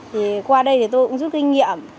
thì qua đây tôi cũng rút kinh nghiệm